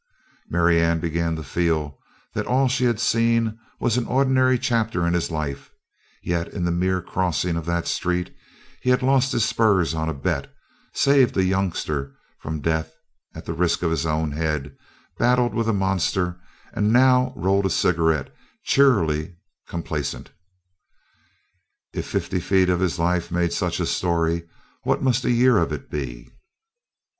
Marianne began to feel that all she had seen was an ordinary chapter in his life; yet in the mere crossing of that street he had lost his spurs on a bet; saved a youngster from death at the risk of his own head, battled with a monster and now rolled a cigarette cheerily complacent. If fifty feet of his life made such a story what must a year of it be?